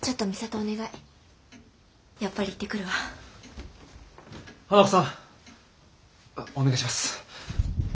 お願いします。